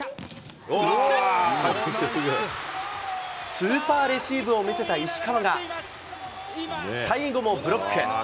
スーパーレシーブを見せた石川が、最後もブロック。